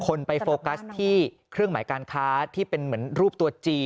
คนไปโฟกัสที่เครื่องหมายการค้าที่เป็นเหมือนรูปตัวจี